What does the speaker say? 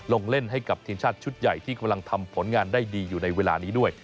ลงเล่นให้กับทีมชาติชุดใหญ่ที่กำลังทำผลงานได้ดีอยู่ในเวลานี้ด้วย